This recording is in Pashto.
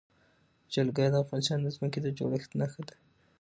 جلګه د افغانستان د ځمکې د جوړښت نښه ده.